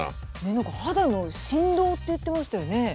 何か肌の振動って言ってましたよね。